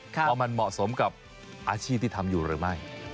ว่ามันเหมาะสมกับอาชีพที่ทำอยู่หรือไม่